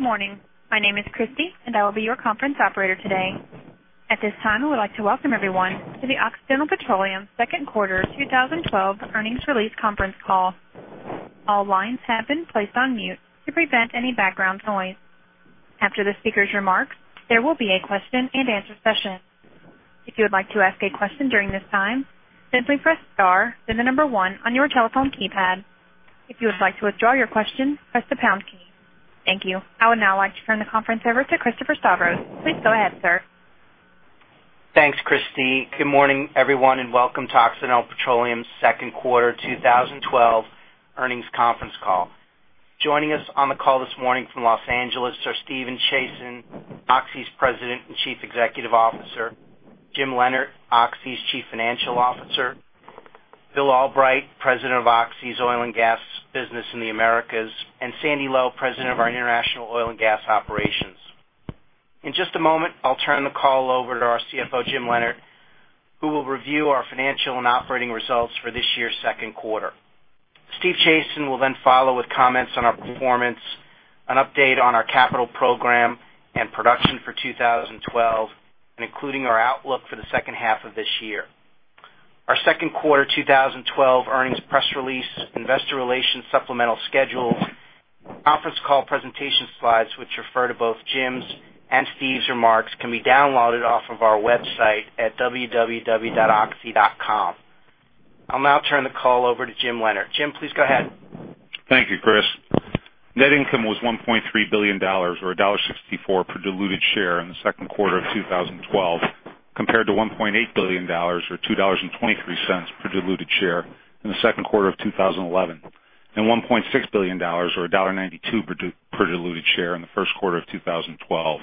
Good morning. My name is Christie, and I will be your conference operator today. At this time, we would like to welcome everyone to the Occidental Petroleum second quarter 2012 earnings release conference call. All lines have been placed on mute to prevent any background noise. After the speaker's remarks, there will be a question and answer session. If you would like to ask a question during this time, simply press star, then the number one on your telephone keypad. If you would like to withdraw your question, press the pound key. Thank you. I would now like to turn the conference over to Christopher Stavros. Please go ahead, sir. Thanks, Christie. Good morning, everyone, and welcome to Occidental Petroleum's second quarter 2012 earnings conference call. Joining us on the call this morning from Los Angeles are Stephen Chazen, Oxy's President and Chief Executive Officer, Jim Lienert, Oxy's Chief Financial Officer, Bill Albrecht, President of Oxy's Oil & Gas business in the Americas, and Sandy Lowe, President of our International Oil and Gas operations. In just a moment, I'll turn the call over to our CFO, Jim Lienert, who will review our financial and operating results for this year's second quarter. Steve Chazen will then follow with comments on our performance, an update on our capital program, and production for 2012, and including our outlook for the second half of this year. Our second quarter 2012 earnings press release, investor relations supplemental schedule, conference call presentation slides, which refer to both Jim's and Steve's remarks, can be downloaded off of our website at www.oxy.com. I'll now turn the call over to Jim Lienert. Jim, please go ahead. Thank you, Chris. Net income was $1.3 billion, or $1.64 per diluted share in the second quarter of 2012, compared to $1.8 billion or $2.23 per diluted share in the second quarter of 2011, and $1.6 billion or $1.92 per diluted share in the first quarter of 2012.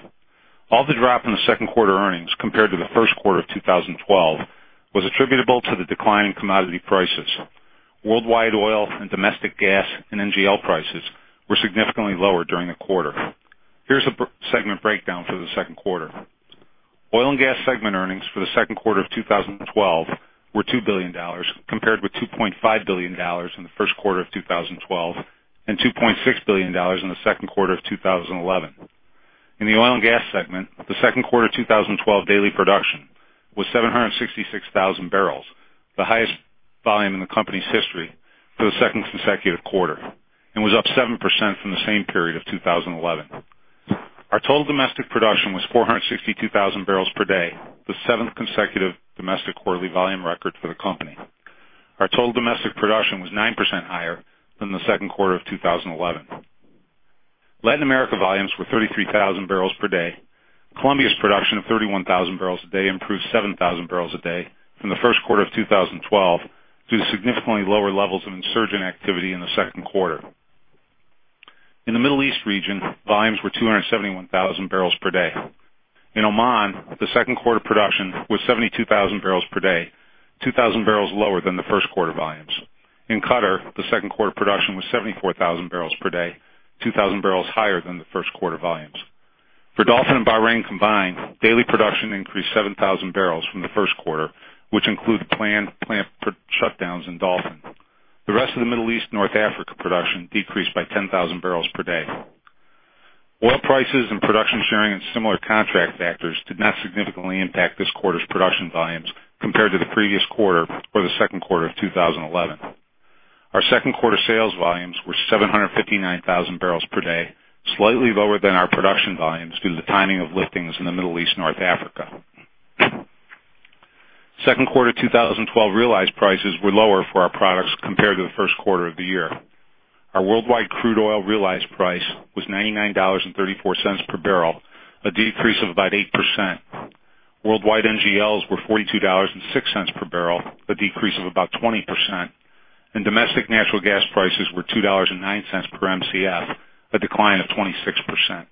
All the drop in the second quarter earnings compared to the first quarter of 2012 was attributable to the decline in commodity prices. Worldwide oil and domestic gas and NGL prices were significantly lower during the quarter. Here's a segment breakdown for the second quarter. Oil and gas segment earnings for the second quarter of 2012 were $2 billion, compared with $2.5 billion in the first quarter of 2012, and $2.6 billion in the second quarter of 2011. In the oil and gas segment, the second quarter 2012 daily production was 766,000 barrels, the highest volume in the company's history for the second consecutive quarter, and was up 7% from the same period of 2011. Our total domestic production was 462,000 barrels per day, the seventh consecutive domestic quarterly volume record for the company. Our total domestic production was 9% higher than the second quarter of 2011. Latin America volumes were 33,000 barrels per day. Colombia's production of 31,000 barrels a day improved 7,000 barrels a day from the first quarter of 2012, due to significantly lower levels of insurgent activity in the second quarter. In the Middle East region, volumes were 271,000 barrels per day. In Oman, the second quarter production was 72,000 barrels per day, 2,000 barrels lower than the first quarter volumes. In Qatar, the second quarter production was 74,000 barrels per day, 2,000 barrels higher than the first quarter volumes. For Dolphin and Bahrain combined, daily production increased 7,000 barrels from the first quarter, which include planned plant shutdowns in Dolphin. The rest of the Middle East/North Africa production decreased by 10,000 barrels per day. Oil prices and production sharing, and similar contract factors did not significantly impact this quarter's production volumes compared to the previous quarter or the second quarter of 2011. Our second quarter sales volumes were 759,000 barrels per day, slightly lower than our production volumes due to the timing of liftings in the Middle East/North Africa. Second quarter 2012 realized prices were lower for our products compared to the first quarter of the year. Our worldwide crude oil realized price was $99.34 per barrel, a decrease of about 8%. Worldwide NGLs were $42.06 per barrel, a decrease of about 20%, and domestic natural gas prices were $2.09 per Mcf, a decline of 26%.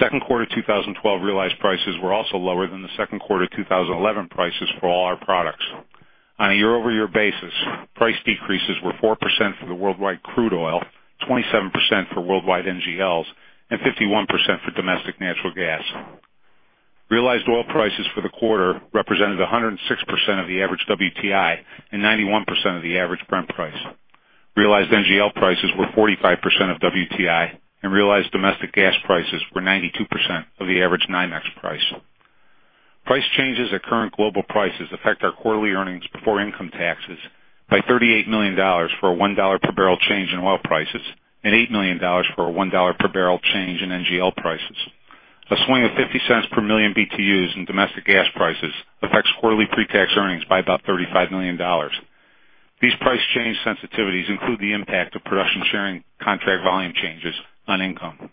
Second quarter 2012 realized prices were also lower than the second quarter 2011 prices for all our products. On a year-over-year basis, price decreases were 4% for the worldwide crude oil, 27% for worldwide NGLs, and 51% for domestic natural gas. Realized oil prices for the quarter represented 106% of the average WTI and 91% of the average Brent price. Realized NGL prices were 45% of WTI, and realized domestic gas prices were 92% of the average NYMEX price. Price changes at current global prices affect our quarterly earnings before income taxes by $38 million for a $1 per barrel change in oil prices, and $8 million for a $1 per barrel change in NGL prices. A swing of $0.50 per million BTUs in domestic gas prices affects quarterly pre-tax earnings by about $35 million. These price change sensitivities include the impact of production sharing contract volume changes on income.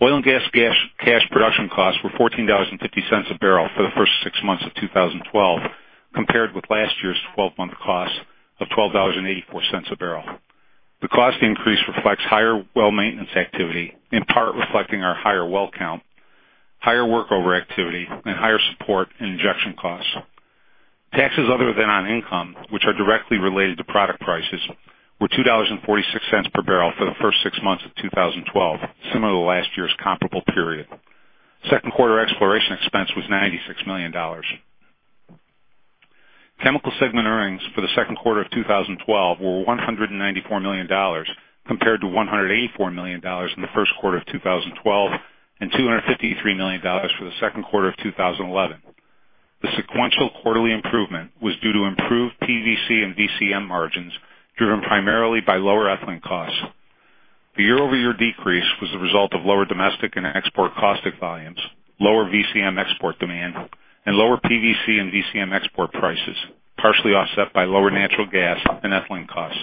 Oil and gas cash production costs were $14.50 a barrel for the first six months of 2012, compared with last year's 12-month cost of $12.84 a barrel. The cost increase reflects higher well maintenance activity, in part reflecting our higher well count, higher work overactivity, and higher support and injection costs. Taxes other than on income, which are directly related to product prices, were $2.46 per barrel for the first six months of 2012, similar to last year's comparable period. Second quarter exploration expense was $96 million. Chemical segment earnings for the second quarter of 2012 were $194 million, compared to $184 million in the first quarter of 2012 and $253 million for the second quarter of 2011. The sequential quarterly improvement was due to improved PVC and VCM margins, driven primarily by lower ethylene costs. The year-over-year decrease was the result of lower domestic and export caustic volumes, lower VCM export demand, and lower PVC and VCM export prices, partially offset by lower natural gas and ethylene costs.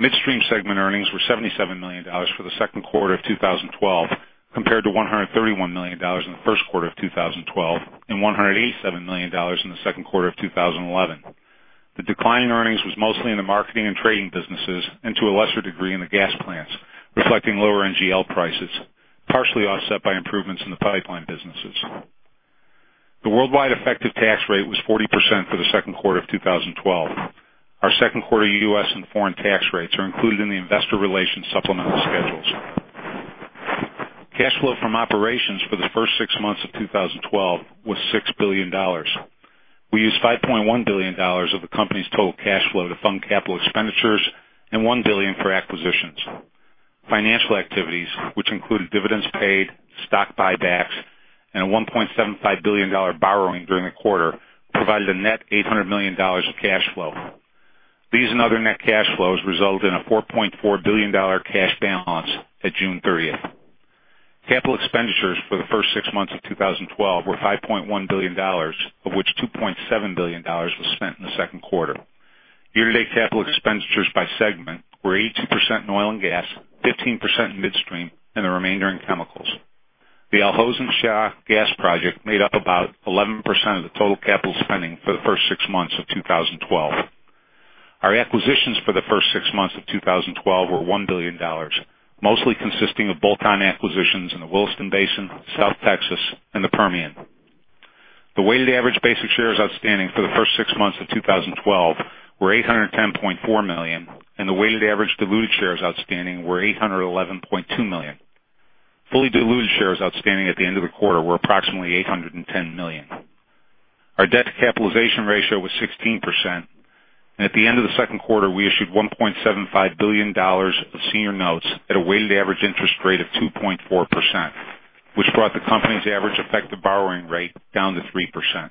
Midstream segment earnings were $77 million for the second quarter of 2012, compared to $131 million in the first quarter of 2012 and $187 million in the second quarter of 2011. The decline in earnings was mostly in the marketing and trading businesses, and to a lesser degree in the gas plants, reflecting lower NGL prices, partially offset by improvements in the pipeline businesses. The worldwide effective tax rate was 40% for the second quarter of 2012. Our second quarter U.S. and foreign tax rates are included in the investor relations supplemental schedules. Cash flow from operations for the first six months of 2012 was $6 billion. We used $5.1 billion of the company's total cash flow to fund capital expenditures and $1 billion for acquisitions. Financial activities, which included dividends paid, stock buybacks, and a $1.75 billion borrowing during the quarter, provided a net $800 million of cash flow. These and other net cash flows result in a $4.4 billion cash balance at June 30th. Capital expenditures for the first six months of 2012 were $5.1 billion, of which $2.7 billion was spent in the second quarter. Year-to-date capital expenditures by segment were 80% in oil and gas, 15% in midstream, and the remainder in chemicals. The Al Hosn Shah gas project made up about 11% of the total capital spending for the first six months of 2012. Our acquisitions for the first six months of 2012 were $1 billion, mostly consisting of bolt-on acquisitions in the Williston Basin, South Texas, and the Permian. The weighted average basic shares outstanding for the first six months of 2012 were 810.4 million, and the weighted average diluted shares outstanding were 811.2 million. Fully diluted shares outstanding at the end of the quarter were approximately 810 million. Our debt to capitalization ratio was 16%, and at the end of the second quarter, we issued $1.75 billion of senior notes at a weighted average interest rate of 2.4%, which brought the company's average effective borrowing rate down to 3%.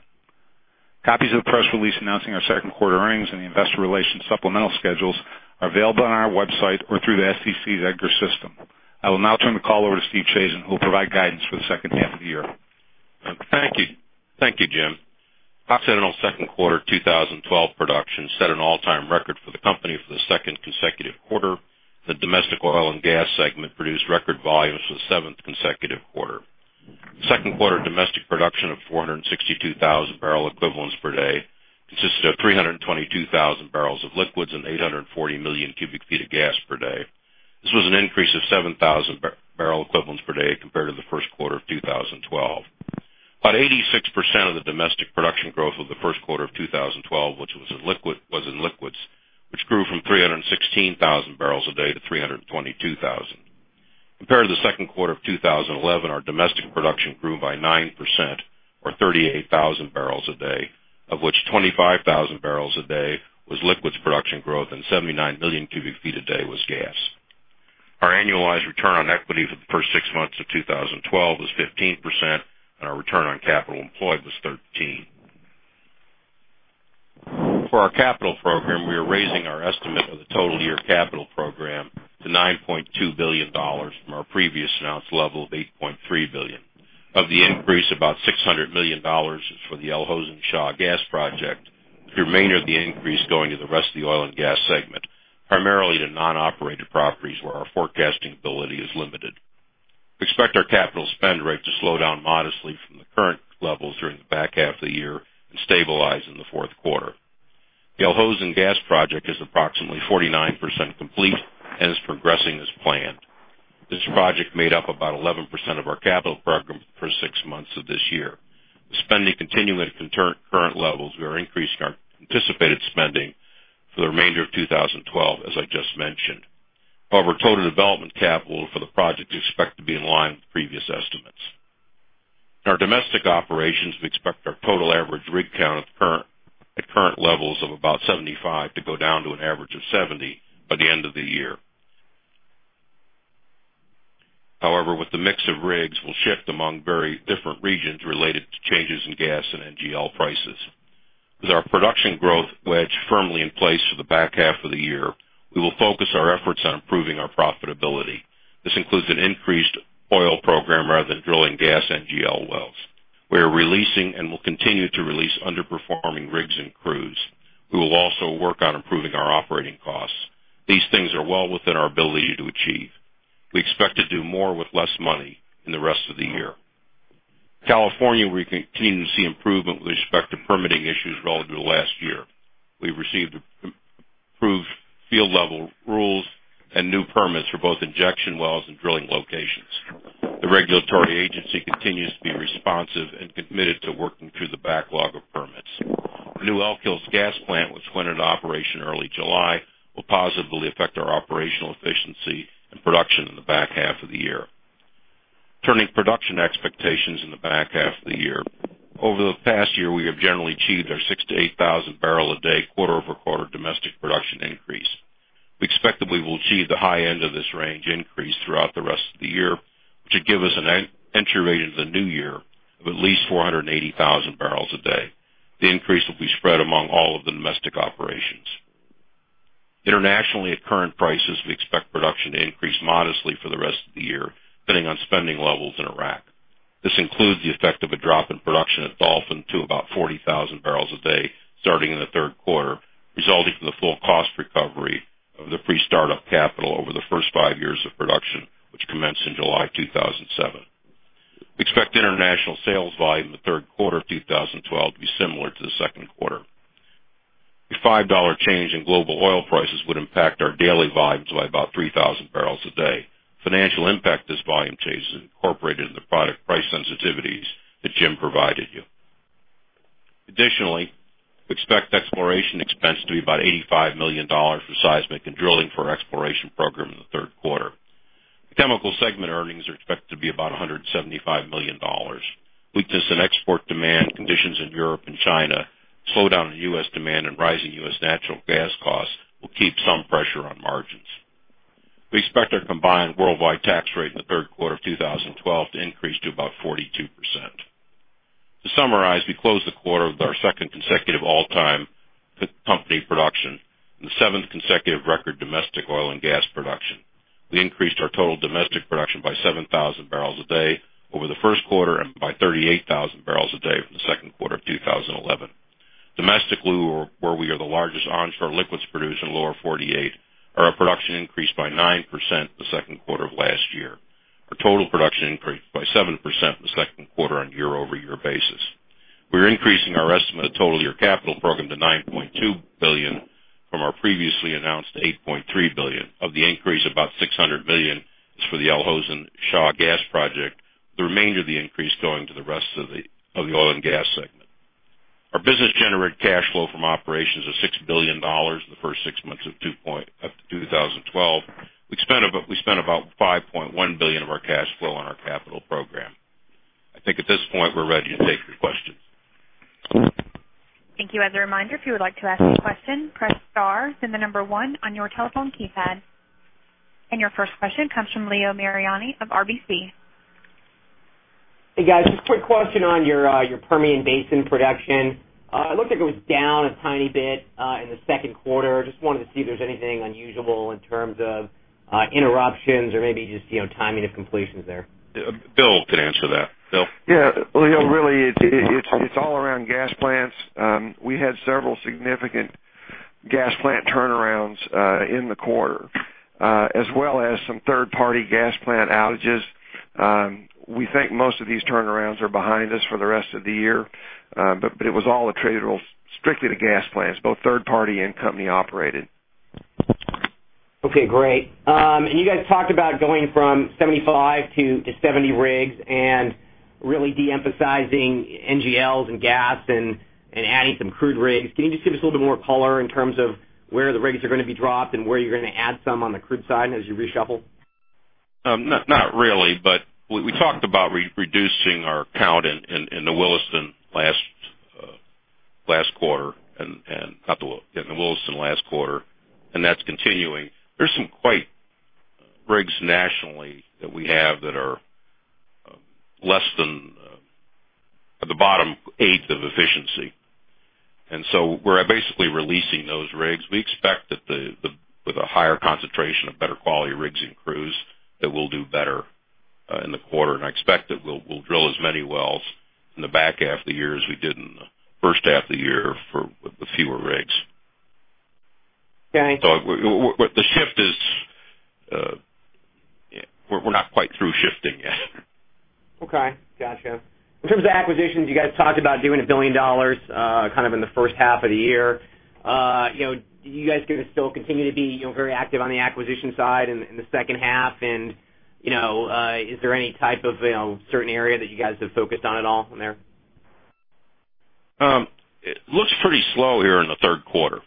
Copies of the press release announcing our second quarter earnings and the investor relations supplemental schedules are available on our website or through the SEC's EDGAR system. I will now turn the call over to Steve Chazen, who will provide guidance for the second half of the year. Thank you, Jim. Occidental's second quarter 2012 production set an all-time record for the company for the second consecutive quarter. The domestic oil and gas segment produced record volumes for the seventh consecutive quarter. Second quarter domestic production of 462,000 barrel equivalents per day consisted of 322,000 barrels of liquids and 840 million cubic feet of gas per day. This was an increase of 7,000 barrel equivalents per day compared to the first quarter of 2012. About 86% of the domestic production growth of the first quarter of 2012 was in liquids, which grew from 316,000 barrels a day to 322,000. Compared to the second quarter of 2011, our domestic production grew by 9%, or 38,000 barrels a day, of which 25,000 barrels a day was liquids production growth and 79 million cubic feet a day was gas. Our annualized return on equity for the first six months of 2012 was 15%, and our return on capital employed was 13%. For our capital program, we are raising our estimate for the total year capital program to $9.2 billion from our previous announced level of $8.3 billion. Of the increase, about $600 million is for the Al Hosn Shah gas project, with the remainder of the increase going to the rest of the oil and gas segment, primarily to non-operated properties where our forecasting ability is limited. We expect our capital spend rate to slow down modestly from the current levels during the back half of the year and stabilize in the fourth quarter. The Al Hosn gas project is approximately 49% complete and is progressing as planned. This project made up about 11% of our capital program for six months of this year. With spending continuing at current levels, we are increasing our anticipated spending for the remainder of 2012, as I just mentioned. However, total development capital for the project is expected to be in line with previous estimates. In our domestic operations, we expect our total average rig count at current levels of about 75 to go down to an average of 70 by the end of the year. However, with the mix of rigs will shift among very different regions related to changes in gas and NGL prices. With our production growth wedged firmly in place for the back half of the year, we will focus our efforts on improving our profitability. This includes an increased oil program rather than drilling gas NGL wells. We are releasing and will continue to release underperforming rigs and crews. We will also work on improving our operating costs. These things are well within our ability to achieve. We expect to do more with less money in the rest of the year. California, we continue to see improvement with respect to permitting issues relative to last year. We received improved field level rules and new permits for both injection wells and drilling locations. The regulatory agency continues to be responsive and committed to working through the backlog of permits. Our new Elk Hills gas plant, which went into operation early July, will positively affect our operational efficiency and production in the back half of the year. Turning production expectations in the back half of the year. Over the past year, we have generally achieved our 6 to 8,000 barrel a day quarter-over-quarter domestic production increase. We expect that we will achieve the high end of this range increase throughout the rest of the year, which will give us an entry rate into the new year of at least 480,000 barrels a day. The increase will be spread among all of the domestic operations. Internationally, at current prices, we expect production to increase modestly for the rest of the year, depending on spending levels in Iraq. This includes the effect of a drop in production at Dolphin to about 40,000 barrels a day, starting in the third quarter, resulting from the full cost recovery of the pre-startup capital over the first five years of production, which commenced in July 2007. We expect international sales volume in the third quarter of 2012 to be similar to the second quarter. A $5 change in global oil prices would impact our daily volumes by about 3,000 barrels a day. Financial impact of this volume change is incorporated in the product price sensitivities that Jim provided you. We expect exploration expense to be about $85 million for seismic and drilling for our exploration program in the third quarter. The chemical segment earnings are expected to be about $175 million. Weakness in export demand conditions in Europe and China, slowdown in U.S. demand, and rising U.S. natural gas costs will keep some pressure on margins. We expect our combined worldwide tax rate in the third quarter of 2012 to increase to about 42%. To summarize, we closed the quarter with our second consecutive all-time company production and the seventh consecutive record domestic oil and gas production. We increased our total domestic production by 7,000 barrels a day over the first quarter and by 38,000 barrels a day from the second quarter of 2011. Domestically, where we are the largest onshore liquids producer in the Lower 48, our production increased by 9% in the second quarter of last year. Our total production increased by 7% in the second quarter on a year-over-year basis. We are increasing our estimate of total year capital program to $9.2 billion from our previously announced $8.3 billion. Of the increase, about $600 million is for the Al Hosn Shah gas project, with the remainder of the increase going to the rest of the oil and gas segment. Our business generated cash flow from operations of $6 billion in the first six months of 2012. We spent about $5.1 billion of our cash flow on our capital program. I think at this point, we're ready to take your questions. Thank you. As a reminder, if you would like to ask a question, press star, then the number one on your telephone keypad. Your first question comes from Leo Mariani of RBC. Hey, guys. Just a quick question on your Permian Basin production. It looks like it was down a tiny bit in the second quarter. Just wanted to see if there's anything unusual in terms of interruptions or maybe just timing of completions there. Bill could answer that. Bill? Yeah. Leo, really, it's all around gas plants. We had several significant gas plant turnarounds in the quarter as well as some third-party gas plant outages. We think most of these turnarounds are behind us for the rest of the year. It was all attributable strictly to gas plants, both third-party and company operated. Okay, great. You guys talked about going from 75 to 70 rigs and really de-emphasizing NGLs and gas and adding some crude rigs. Can you just give us a little bit more color in terms of where the rigs are going to be dropped and where you're going to add some on the crude side as you reshuffle? Not really. We talked about reducing our count in the Williston last quarter, and that's continuing. There's some quite rigs nationally that we have that are at the bottom eighth of efficiency. We're basically releasing those rigs. We expect that with a higher concentration of better quality rigs and crews, that we'll do better in the quarter, and I expect that we'll drill as many wells in the back half of the year as we did in the first half of the year with the fewer rigs. Okay. The shift is we're not quite through shifting yet. Okay, got you. In terms of acquisitions, you guys talked about doing $1 billion in the first half of the year. Are you guys going to still continue to be very active on the acquisition side in the second half? Is there any type of certain area that you guys have focused on at all in there? It looks pretty slow here in the third quarter.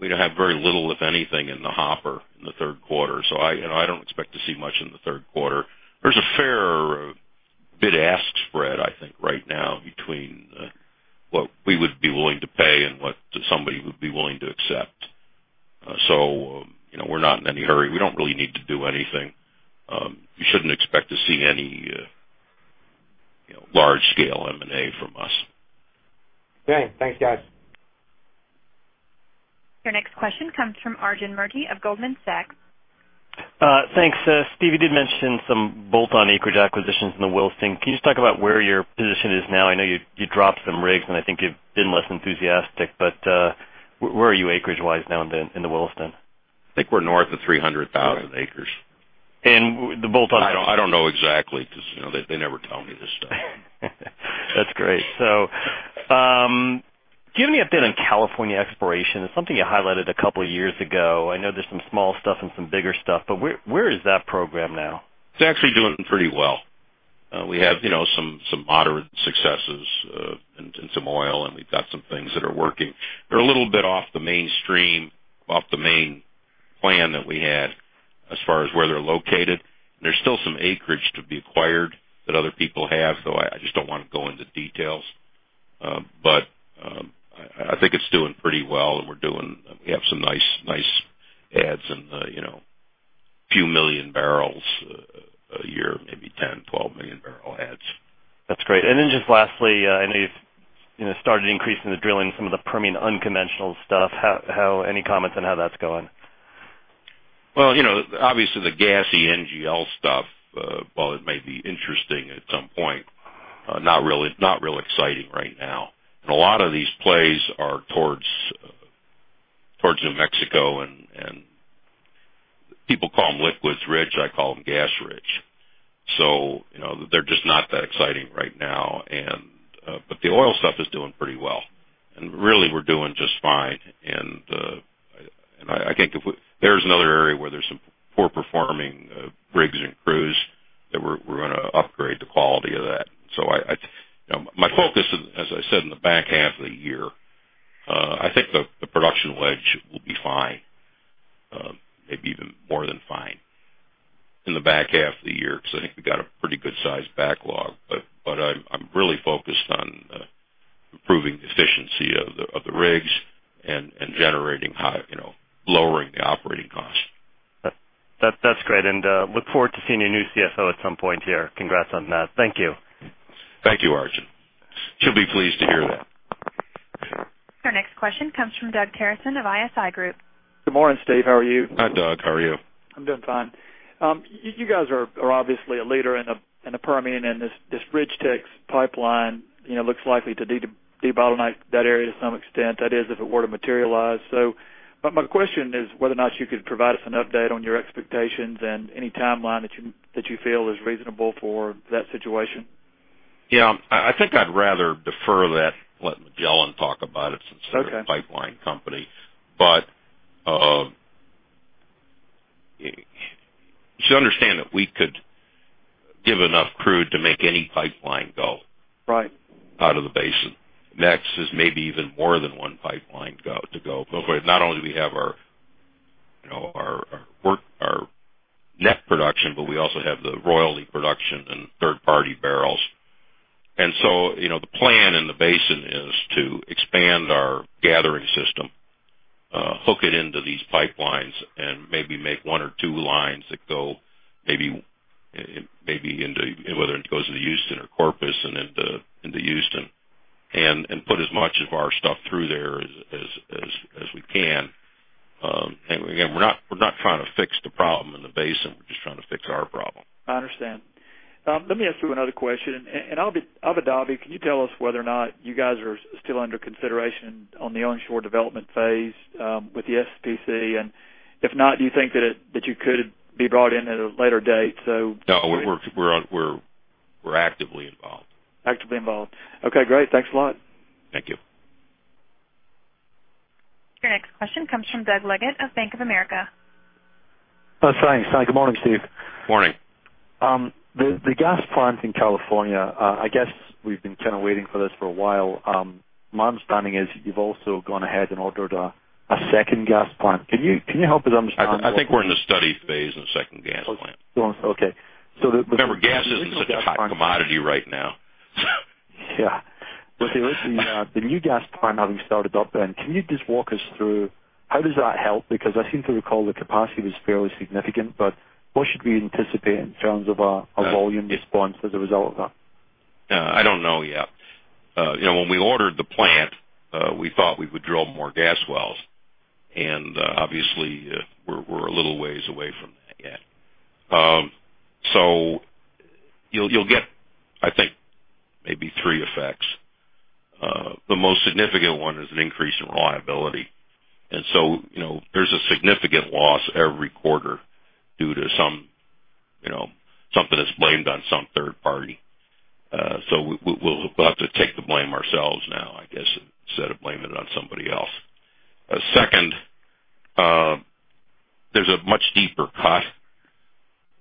We have very little, if anything, in the hopper in the third quarter. I don't expect to see much in the third quarter. There's a fair bid-ask spread, I think, right now between what we would be willing to pay and what somebody would be willing to accept. We're not in any hurry. We don't really need to do anything. You shouldn't expect to see any large-scale M&A from us. Okay. Thanks, guys. Your next question comes from Arjun Murti of Goldman Sachs. Thanks. Steve, you did mention some bolt-on acreage acquisitions in the Williston. Can you just talk about where your position is now? I know you dropped some rigs, and I think you've been less enthusiastic, but where are you acreage-wise now in the Williston? I think we're north of 300,000 acres. the bolt-on- I don't know exactly because they never tell me this stuff. That's great. Do you have any update on California exploration? It's something you highlighted a couple of years ago. I know there's some small stuff and some bigger stuff, but where is that program now? It's actually doing pretty well. We have some moderate successes in some oil, and we've got some things that are working. They're a little bit off the mainstream, off the main plan that we had as far as where they're located, and there's still some acreage to be acquired that other people have. I just don't want to go into details. I think it's doing pretty well, and we have some nice adds in the few million barrels a year, maybe 10, 12 million barrel adds. That's great. Just lastly, I know you've started increasing the drilling, some of the Permian unconventional stuff. Any comments on how that's going? Well, obviously the gassy NGL stuff, while it may be interesting at some point, not real exciting right now. A lot of these plays are towards New Mexico, people call them liquids rich. I call them gas rich. They're just not that exciting right now. The oil stuff is doing pretty well. Really, we're doing just fine. There's another area where there's some poor performing rigs and crews that we're going to upgrade the quality of that. My focus, as I said, in the back half of the year, I think the production ledge will be fine, maybe even more than fine in the back half of the year, because I think we've got a pretty good sized backlog. I'm really focused on improving the efficiency of the rigs and lowering the operating cost. That's great, look forward to seeing your new CFO at some point here. Congrats on that. Thank you. Thank you, Arjun. She'll be pleased to hear that. Our next question comes from Doug Terreson of ISI Group. Good morning, Steve. How are you? Hi, Doug. How are you? I'm doing fine. You guys are obviously a leader in the Permian, this BridgeTex Pipeline looks likely to debottleneck that area to some extent, that is, if it were to materialize. My question is whether or not you could provide us an update on your expectations and any timeline that you feel is reasonable for that situation. Yeah, I think I'd rather defer that, let Magellan talk about it. Okay a pipeline company. You should understand that we could give enough crude to make any pipeline go. Right out of the basin. Next is maybe even more than one pipeline to go. Not only do we have our net production, but we also have the royalty production and third-party barrels. The plan in the basin is to expand our gathering system, hook it into these pipelines, and maybe make one or two lines that go, whether it goes to the Houston or Corpus and into Houston, and put as much of our stuff through there as we can. Again, we're not trying to fix the problem in the basin. We're just trying to fix our problem. I understand. Let me ask you another question. In Abu Dhabi, can you tell us whether or not you guys are still under consideration on the onshore development phase with the SPCC? If not, do you think that you could be brought in at a later date? No, we're actively involved. Actively involved. Okay, great. Thanks a lot. Thank you. Your next question comes from Doug Leggate of Bank of America. Thanks. Good morning, Steve. Morning. The gas plant in California, I guess we've been kind of waiting for this for a while. My understanding is you've also gone ahead and ordered a second gas plant. Can you help us understand? I think we're in the study phase in a second gas plant. Okay. Remember, gas isn't such a hot commodity right now. Yeah. The new gas plant having started up then, can you just walk us through how does that help? Because I seem to recall the capacity was fairly significant, but what should we anticipate in terms of a volume response as a result of that? I don't know yet. When we ordered the plant, we thought we would drill more gas wells, and obviously, we're a little ways away from that yet. You'll get, I think, maybe three effects. The most significant one is an increase in reliability. There's a significant loss every quarter due to something that's blamed on some third party. We'll have to take the blame ourselves now, I guess, instead of blaming it on somebody else. Second, there's a much deeper cut,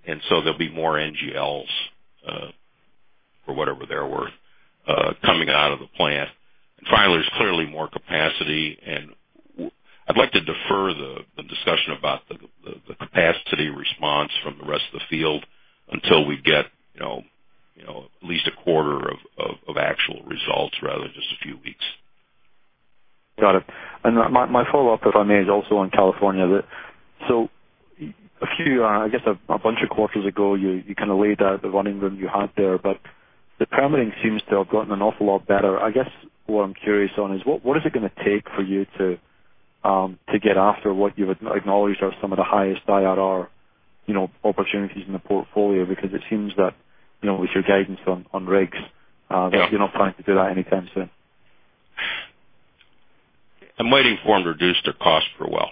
and so there'll be more NGLs, for whatever they're worth, coming out of the plant. Finally, there's clearly more capacity. I'd like to defer the discussion about the capacity response from the rest of the field until we get at least a quarter of actual results rather than just a few weeks. Got it. My follow-up, if I may, is also on California. A few, I guess a bunch of quarters ago, you kind of laid out the running room you had there, but the permitting seems to have gotten an awful lot better. I guess what I'm curious on is what is it going to take for you to get after what you would acknowledge are some of the highest IRR opportunities in the portfolio? It seems that with your guidance on rigs- Yeah that you're not planning to do that anytime soon. I'm waiting for them to reduce their cost per well.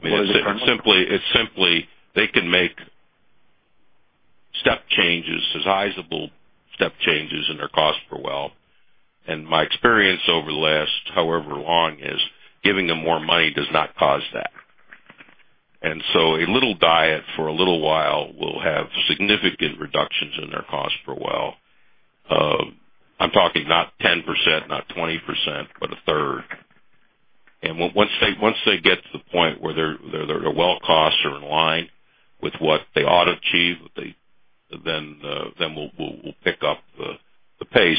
What is it currently? It's simply they can make changes, sizable step changes in their cost per well. My experience over the last however long is giving them more money does not cause that. A little diet for a little while will have significant reductions in their cost per well. I'm talking not 10%, not 20%, but a third. Once they get to the point where their well costs are in line with what they ought to achieve, then we'll pick up the pace.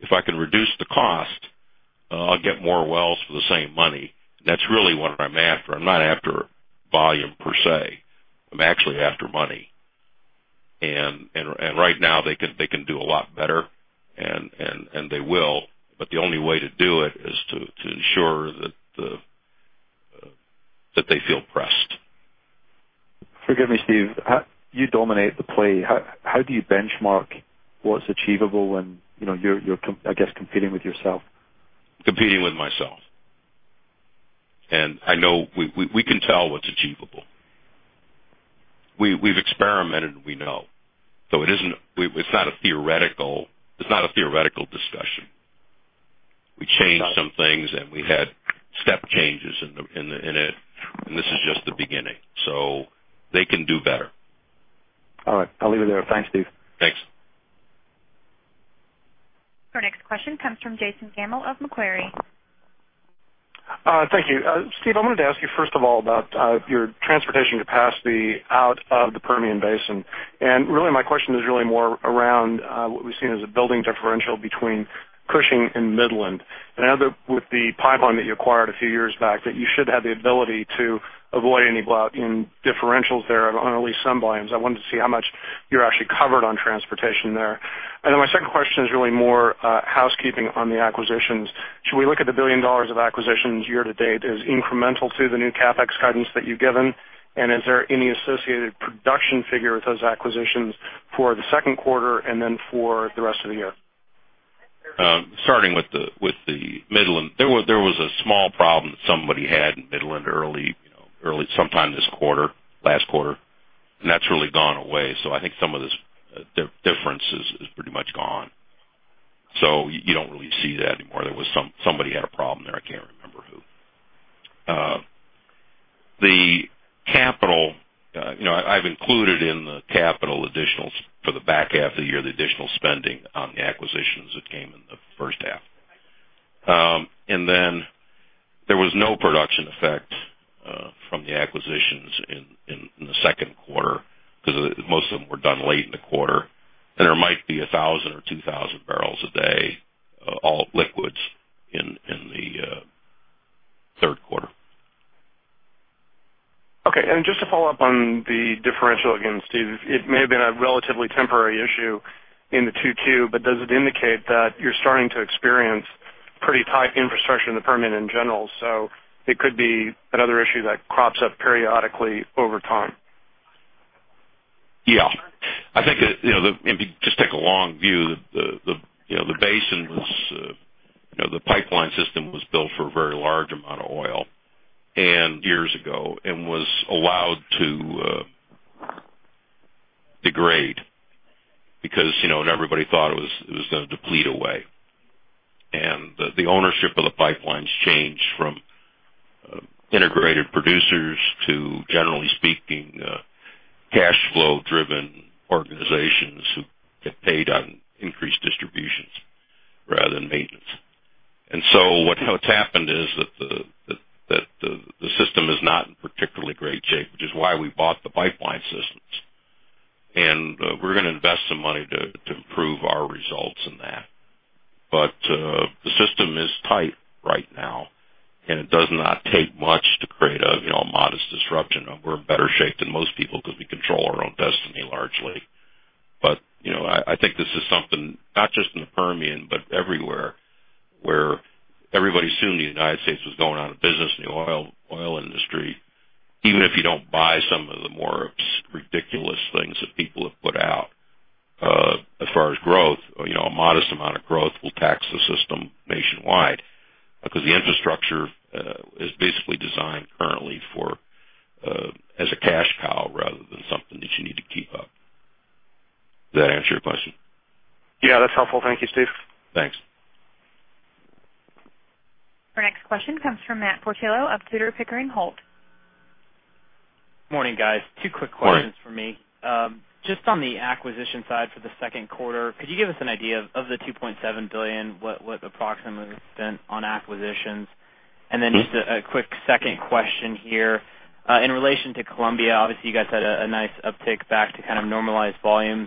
If I can reduce the cost, I'll get more wells for the same money. That's really what I'm after. I'm not after volume per se. I'm actually after money. Right now, they can do a lot better, and they will, but the only way to do it is to ensure that they feel pressed. Forgive me, Steve. You dominate the play. How do you benchmark what's achievable when you're, I guess, competing with yourself? Competing with myself. I know we can tell what's achievable. We've experimented, and we know. It's not a theoretical discussion. We changed some things, and we had step changes in it, and this is just the beginning. They can do better. All right. I'll leave it there. Thanks, Steve. Thanks. Our next question comes from Jason Gammel of Macquarie. Thank you. Steve, I wanted to ask you, first of all, about your transportation capacity out of the Permian Basin. Really, my question is really more around what we have seen as a building differential between Cushing and Midland. With the pipeline that you acquired a few years back, you should have the ability to avoid any differentials there on at least some volumes. I wanted to see how much you are actually covered on transportation there. My second question is really more housekeeping on the acquisitions. Should we look at the $1 billion of acquisitions year to date as incremental to the new CapEx guidance that you have given? Is there any associated production figure with those acquisitions for the second quarter and then for the rest of the year? Starting with the Midland. There was a small problem that somebody had in Midland early, sometime this quarter, last quarter, that's really gone away. I think some of this difference is pretty much gone. You don't really see that anymore. Somebody had a problem there. I can't remember who. I've included in the capital additional for the back half of the year, the additional spending on the acquisitions that came in the first half. There was no production effect from the acquisitions in the second quarter because most of them were done late in the quarter. There might be 1,000 or 2,000 barrels a day, all liquids, in the third quarter. Okay. Just to follow up on the differential again, Steve, it may have been a relatively temporary issue in the 2-2, but does it indicate that you're starting to experience pretty tight infrastructure in the Permian in general? It could be another issue that crops up periodically over time. Yeah. If you just take a long view, the pipeline system was built for a very large amount of oil years ago and was allowed to degrade because everybody thought it was going to deplete away. The ownership of the pipelines changed from integrated producers to, generally speaking, cash flow-driven organizations who get paid on increased distributions rather than agents. What's happened is that the system is not in particularly great shape, which is why we bought the pipeline systems. We're going to invest some money to improve our results in that. The system is tight right now, and it does not take much to create a modest disruption. We're in better shape than most people because we control our own destiny largely. I think this is something, not just in the Permian, but everywhere, where everybody assumed the United States was going out of business in the oil industry. Even if you don't buy some of the more ridiculous things that people have put out as far as growth, a modest amount of growth will tax the system nationwide because the infrastructure is basically designed currently as a cash cow rather than something that you need to keep up. Does that answer your question? Yeah, that's helpful. Thank you, Steve. Thanks. Our next question comes from Matt Portillo of Tudor, Pickering, Holt. Morning, guys. Two quick questions from me. Morning. Just on the acquisition side for the second quarter, could you give us an idea of the $2.7 billion, what approximately was spent on acquisitions? Just a quick second question here. In relation to Colombia, obviously, you guys had a nice uptick back to kind of normalized volumes.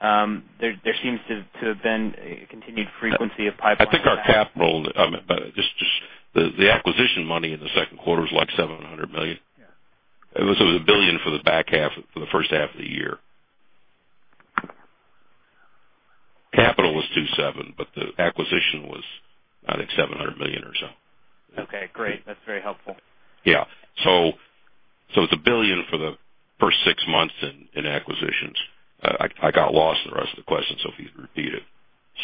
There seems to have been a continued frequency of pipeline- I think our capital, the acquisition money in the second quarter was like $700 million. Yeah. It was $1 billion for the first half of the year. Capital was $2.7 billion, the acquisition was, I think, $700 million or so. Okay, great. That's very helpful. Yeah. It's $1 billion for the first six months in acquisitions. I got lost in the rest of the question, so if you'd repeat it.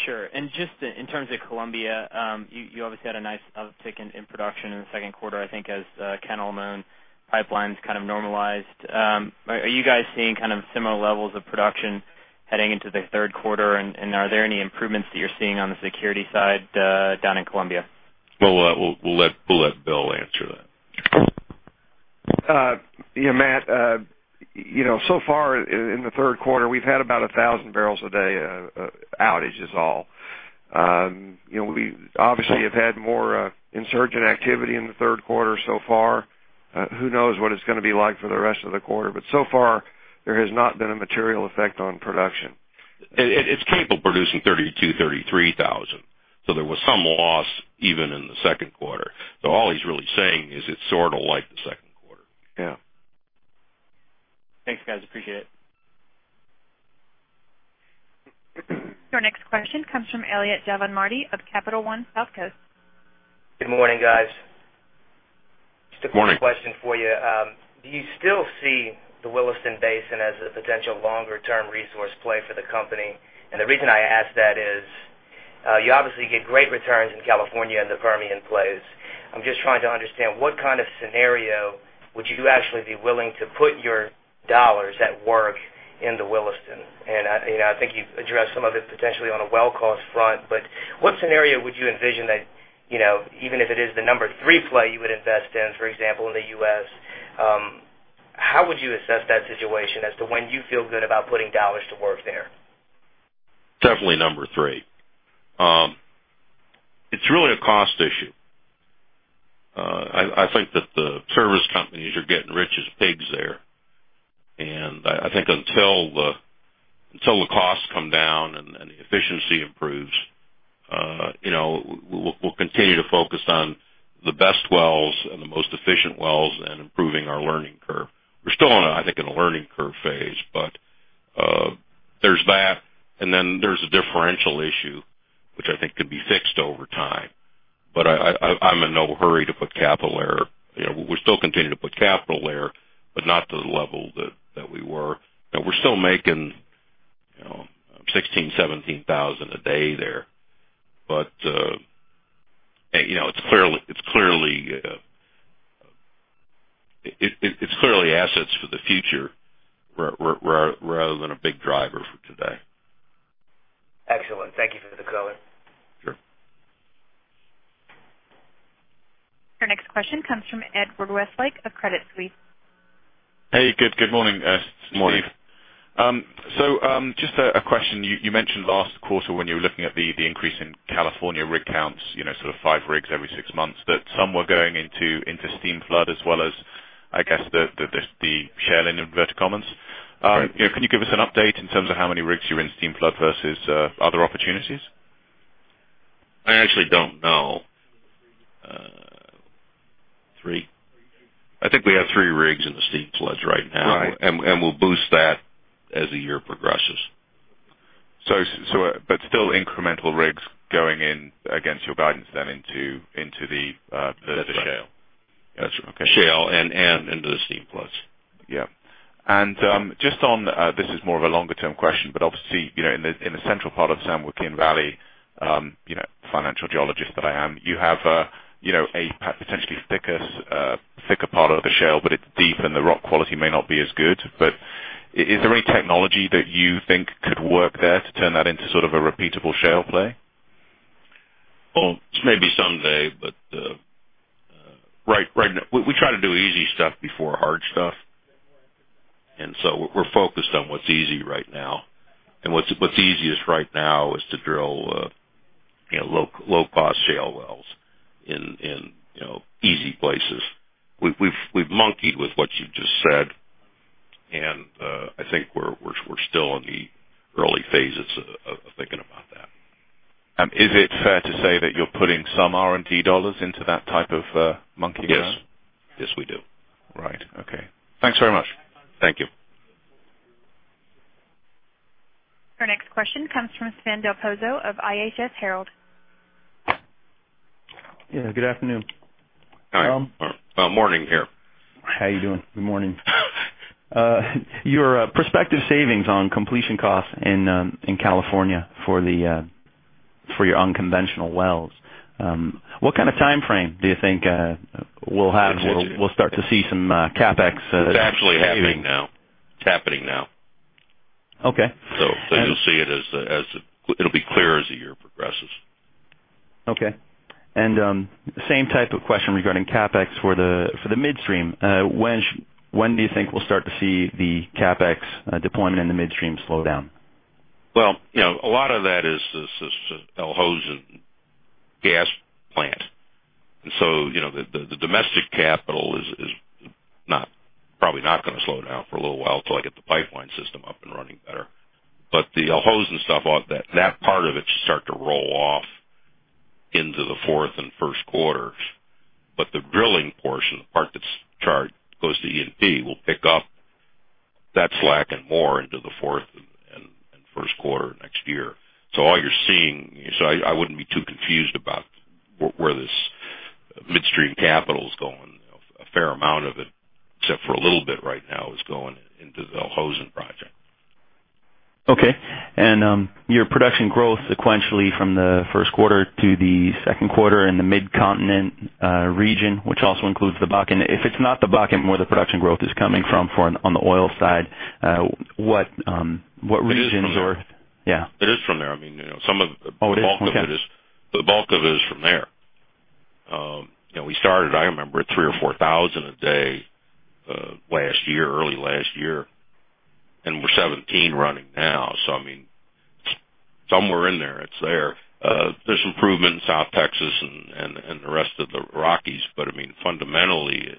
Sure. Just in terms of Colombia, you obviously had a nice uptick in production in the second quarter, I think as Caño Limón pipeline kind of normalized. Are you guys seeing similar levels of production heading into the third quarter? Are there any improvements that you're seeing on the security side down in Colombia? Well, we'll let Bill answer that. Yeah, Matt. So far in the third quarter, we've had about 1,000 barrels a day outage is all. We obviously have had more insurgent activity in the third quarter so far. Who knows what it's going to be like for the rest of the quarter, but so far there has not been a material effect on production. It's capable of producing 32,000, 33,000. There was some loss even in the second quarter. All he's really saying is it's sort of like the second quarter. Yeah. Thanks, guys, appreciate it. Our next question comes from Eliot Javanmardi of Capital One Southcoast. Good morning, guys. Morning. Just a quick question for you. Do you still see the Williston Basin as a potential longer-term resource play for the company? The reason I ask that is, you obviously get great returns in California and the Permian plays. I'm just trying to understand, what kind of scenario would you actually be willing to put your dollars at work in the Williston? I think you've addressed some of it potentially on a well cost front, what scenario would you envision that, even if it is the number 3 play you would invest in, for example, in the U.S., how would you assess that situation as to when you feel good about putting dollars to work there? Definitely number 3. It's really a cost issue. I think that the service companies are getting rich as pigs there, I think until the costs come down and the efficiency improves, we'll continue to focus on the best wells and the most efficient wells and improving our learning curve. We're still in a learning curve phase, there's that, there's a differential issue, which I think could be fixed over time, I'm in no hurry to put capital there. We still continue to put capital there, not to the level that we were. We're still making 16,000, 17,000 a day there. It's clearly assets for the future rather than a big driver for today. Excellent. Thank you for the color. Sure. Our next question comes from Edward Westlake of Credit Suisse. Hey, good morning. Morning. Just a question. You mentioned last quarter when you were looking at the increase in California rig counts, sort of five rigs every six months, that some were going into steam flood as well as, I guess, the shale in inverted commas. Right. Can you give us an update in terms of how many rigs you're in steam flood versus other opportunities? I actually don't know. Three? I think we have three rigs in the steam floods right now. Right. We'll boost that as the year progresses. Still incremental rigs going in against your guidance then into the. The shale. That's okay. Shale and into the steam floods. Yeah. Just on, this is more of a longer-term question, obviously, in the central part of San Joaquin Valley, financial geologist that I am, you have a potentially thicker part of the shale, it's deep and the rock quality may not be as good. Is there any technology that you think could work there to turn that into sort of a repeatable shale play? Well, maybe someday, right now, we try to do easy stuff before hard stuff. We're focused on what's easy right now. What's easiest right now is to drill low cost shale wells in easy places. We've monkeyed with what you just said, and I think we're still in the early phases of thinking about that. Is it fair to say that you're putting some R&D dollars into that type of monkeying around? Yes. Yes, we do. Right. Okay. Thanks very much. Thank you. Our next question comes from Sven Del Pozzo of IHS Herold. Yeah, good afternoon. Hi. Morning here. How you doing? Good morning. Your prospective savings on completion costs in California for your unconventional wells, what kind of timeframe do you think we'll have? Next year. We'll start to see some CapEx? It's actually happening now. It's happening now. Okay. You'll see it'll be clear as the year progresses. Okay. Same type of question regarding CapEx for the midstream. When do you think we'll start to see the CapEx deployment in the midstream slow down? Well, a lot of that is Al Hosn gas plant. The domestic capital is probably not going to slow down for a little while till I get the pipeline system up and running better. The Al Hosn stuff, that part of it should start to roll off into the fourth and first quarters. The drilling portion, the part that's charged, goes to E&P, will pick up that slack and more into the fourth and first quarter next year. I wouldn't be too confused about where this Midstream capital is going. A fair amount of it, except for a little bit right now, is going into the Elk Hills project. Okay. Your production growth sequentially from the first quarter to the second quarter in the Mid-Continent region, which also includes the Bakken. If it's not the Bakken where the production growth is coming from on the oil side, what regions or- It is from there. Yeah. It is from there. Oh, it is? Okay. The bulk of it is from there. We started, I remember, at 3,000 or 4,000 a day early last year, and we're 17 running now. Somewhere in there, it's there. There's improvement in South Texas and the rest of the Rockies. Fundamentally,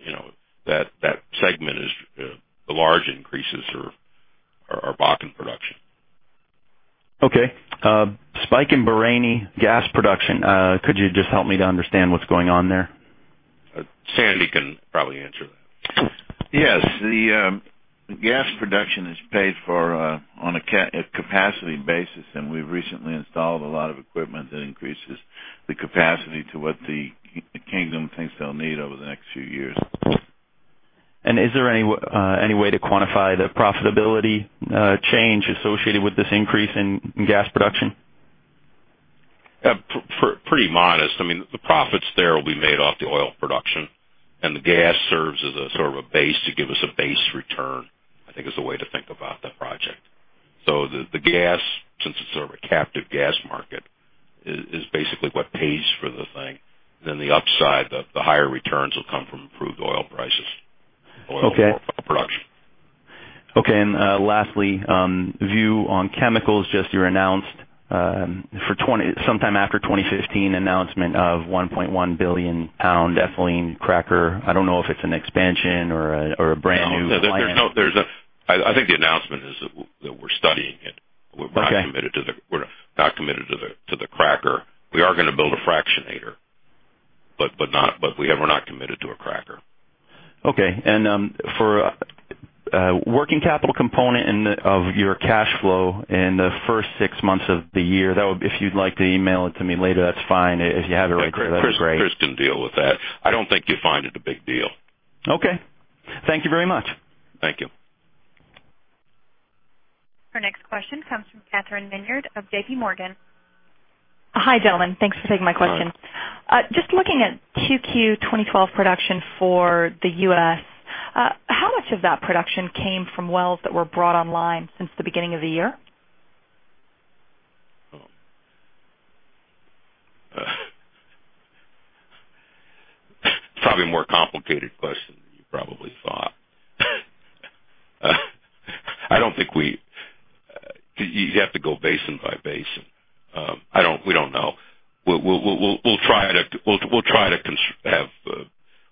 that segment, the large increases are Bakken production. Okay. Spike in Bahraini gas production. Could you just help me to understand what's going on there? Sandy can probably answer that. Yes. The gas production is paid for on a capacity basis, and we've recently installed a lot of equipment that increases the capacity to what the kingdom thinks they'll need over the next few years. Is there any way to quantify the profitability change associated with this increase in gas production? Pretty modest. The profits there will be made off the oil production, and the gas serves as a sort of a base to give us a base return, I think, is the way to think about that project. The gas, since it's sort of a captive gas market, is basically what pays for the thing. The upside, the higher returns, will come from improved oil prices. Okay. Oil production. Okay. Lastly, view on chemicals. Just your announcement, sometime after 2015, of 1.1 billion pound ethylene cracker. I don't know if it's an expansion or a brand new plant. No. I think the announcement is that we're studying it. Okay. We're not committed to the cracker. We are going to build a fractionator, but we're not committed to a cracker. Okay. For working capital component of your cash flow in the first six months of the year, if you'd like to email it to me later, that's fine. If you have it right there, that's great. Chris can deal with that. I don't think you'll find it a big deal. Okay. Thank you very much. Thank you. Our next question comes from Katherine Minyard of J.P. Morgan. Hi, gentlemen. Thanks for taking my question. Hi. Just looking at 2Q 2012 production for the U.S., how much of that production came from wells that were brought online since the beginning of the year? It's probably a more complicated question than you probably thought. You'd have to go basin by basin. We don't know. Why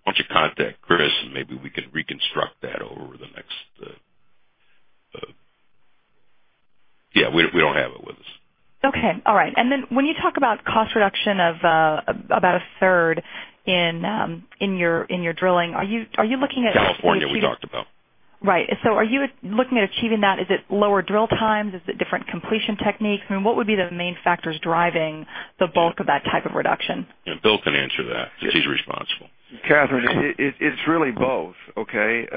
don't you contact Chris, and maybe we can reconstruct that over the next Yeah, we don't have it with us. Okay. All right. When you talk about cost reduction of about a third in your drilling, are you looking at achieving- California, we talked about. Right. Are you looking at achieving that? Is it lower drill times? Is it different completion techniques? What would be the main factors driving the bulk of that type of reduction? Bill can answer that, because he's responsible. Katherine, it's really both, okay?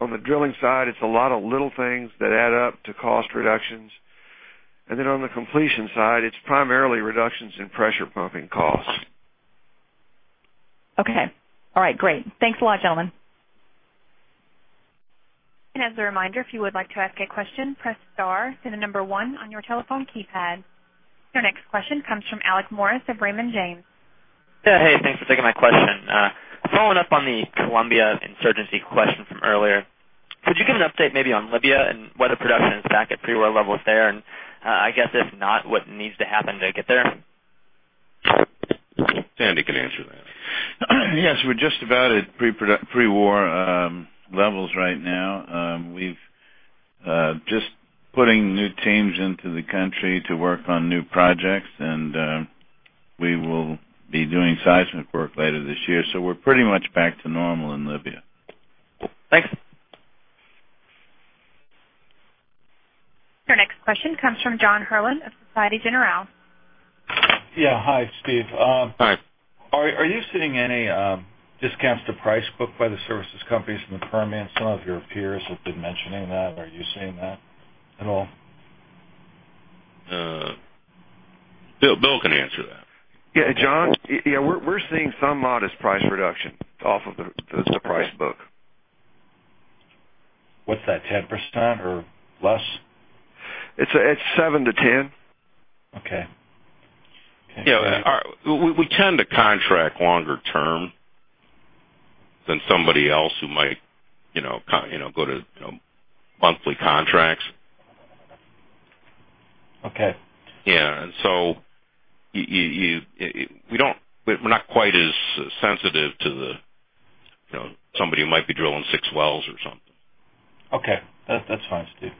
On the drilling side, it's a lot of little things that add up to cost reductions. On the completion side, it's primarily reductions in pressure pumping costs. Okay. All right, great. Thanks a lot, gentlemen. As a reminder, if you would like to ask a question, press star, then the number one on your telephone keypad. Your next question comes from Alexander Morris of Raymond James. Yeah, hey, thanks for taking my question. Following up on the Colombia insurgency question from earlier, could you give an update maybe on Libya and whether production is back at pre-war levels there? I guess if not, what needs to happen to get there? Sandy can answer that. Yes, we're just about at pre-war levels right now. We're just putting new teams into the country to work on new projects. We will be doing seismic work later this year. We're pretty much back to normal in Libya. Thanks. Your next question comes from John Herrlin of Societe Generale. Yeah. Hi, Steve. Hi. Are you seeing any discounts to price book by the services companies in the Permian? Some of your peers have been mentioning that. Are you seeing that at all? Bill can answer that. Yeah. John? Yeah, we're seeing some modest price reduction off of the price book. What's that, 10% or less? It's 7%-10%. Okay. Yeah. We tend to contract longer term than somebody else who might go to monthly contracts. Okay. Yeah. We're not quite as sensitive to somebody who might be drilling six wells or something. Okay. That's fine, Steve.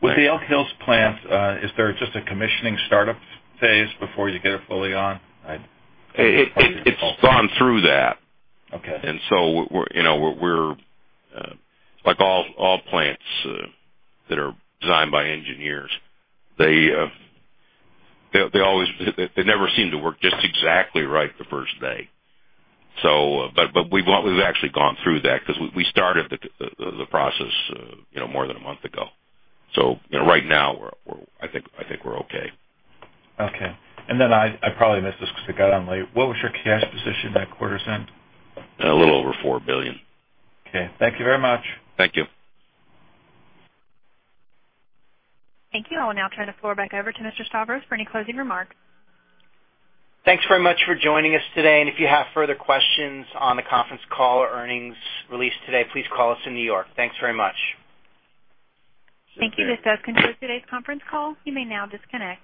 With the Elk Hills plant, is there just a commissioning startup phase before you get it fully on? It's gone through that. Okay. Like all plants that are designed by engineers, they never seem to work just exactly right the first day. We've actually gone through that because we started the process more than a month ago. Right now, I think we're okay. Okay. I probably missed this because I got on late. What was your cash position at quarter's end? A little over $4 billion. Okay. Thank you very much. Thank you. Thank you. I will now turn the floor back over to Mr. Stavros for any closing remarks. Thanks very much for joining us today. If you have further questions on the conference call or earnings release today, please call us in New York. Thanks very much. Thank you. This does conclude today's conference call. You may now disconnect.